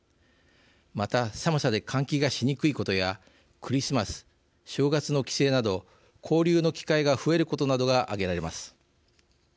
また寒さで換気がしにくいことやクリスマス、正月の帰省など交流の機会が増えることなどが挙げられます。